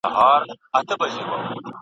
سمدستي یې سوله خلاصه د زړه غوټه ..